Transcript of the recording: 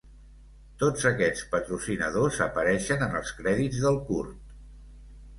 Tots aquests patrocinadors apareixen en els crèdits del curt.